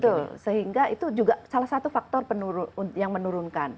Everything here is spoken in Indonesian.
betul sehingga itu juga salah satu faktor yang menurunkan